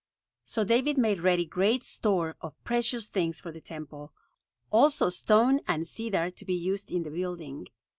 So David made ready great store of precious things for the temple; also stone and cedar to be used in the building.